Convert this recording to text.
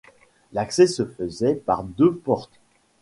L'accès se faisait par deux portes.